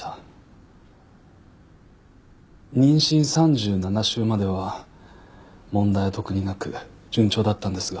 妊娠３７週までは問題は特になく順調だったんですが。